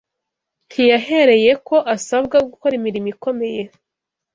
ntiyahereyeko asabwa gukora imirimo ikomeye